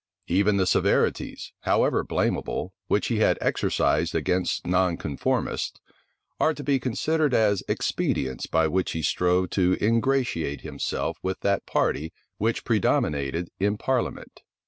Even the severities, however blamable, which he had exercised against nonconformists, are to be considered as expedients by which he strove to ingratiate himself with that party which predominated in parliament.